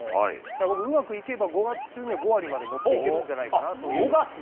だから僕、うまくいけば、５月中には５割まで持っていけるんじゃないかなって。